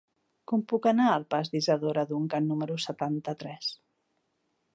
Com puc anar al pas d'Isadora Duncan número setanta-tres?